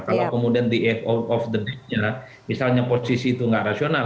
kalau kemudian di of the day nya misalnya posisi itu nggak rasional